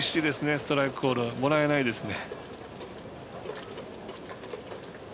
ストライクもらえないですね。